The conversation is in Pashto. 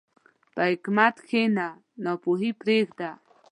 په حکمت کښېنه، ناپوهي پرېږده.